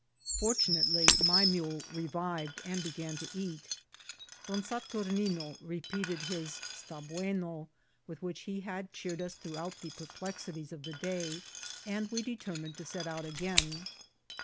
Fortu nately, my mule revived and began to eat. Don Sat A REGION OF FIRE. 67 urnino repeated his 'sta bueno, with which he had cheered us through all the perplexities of the day, and we determined to set out again.